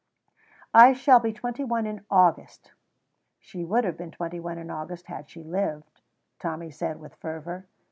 "I shall be twenty one in August." "She would have been twenty one in August had she lived," Tommy said with fervour.